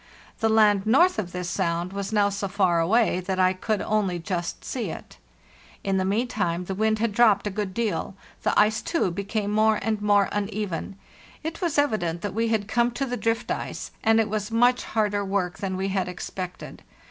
The land north of this sound was now so far away that I could only just see it. In the meantime the wind had dropped a good deal; the ice, too, became more and more uneven —it was evident that we had come to the drift ice, and it was much harder work than we had expected.